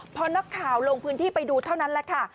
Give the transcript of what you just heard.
พอนักข่าวลงพื้นที่ไปดูเท่านั้นแหละค่ะ